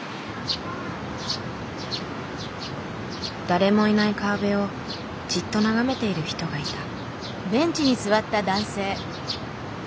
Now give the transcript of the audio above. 誰もいない川辺をじっと眺めている人がいた。